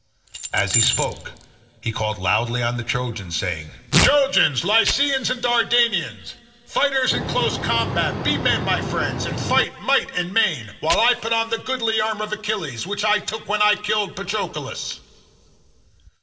As he spoke he called loudly on the Trojans saying, "Trojans, Lycians, and Dardanians, fighters in close combat, be men, my friends, and fight might and main, while I put on the goodly armour of Achilles, which I took when I killed Patroclus."